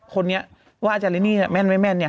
คนเนี่ยว่าอาจารย์เรนนี่แม่นเนี่ย